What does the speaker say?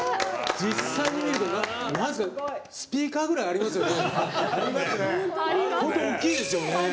実際に見るとスピーカーぐらいありますね。